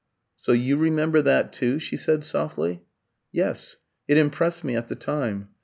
"So you remember that too?" she said, softly. "Yes; it impressed me at the time.